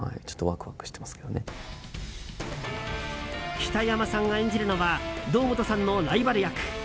北山さんが演じるのは堂本さんのライバル役。